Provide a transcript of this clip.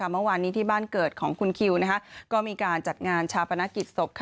เมื่อวานนี้ที่บ้านเกิดของคุณคิวก็มีการจัดงานชาปนกิจศพ